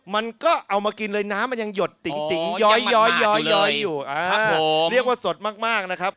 มันก็เอามากินเลยน้ำมันยังหยดติ๋งย้อยอยู่เรียกว่าสดมากนะครับ